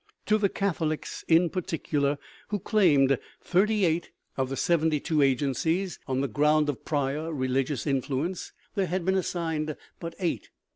To the Catholics, in particular, who claimed thirty eight of the seventy two agencies, on the ground of prior religious influence, there had been assigned but eight.